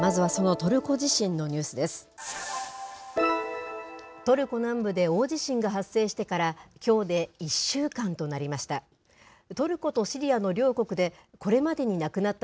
トルコ南部で大地震が発生してから、きょうで１週間となりました。